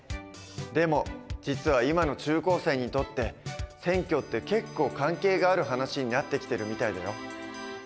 でも実は今の中高生にとって選挙って結構関係がある話になってきてるみたいだよ。